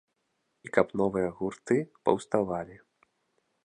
І каб новыя гурты паўставалі.